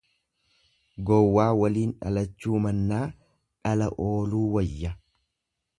Gowwaa waliin dhalachuu mannaa dhala ooluu wayya.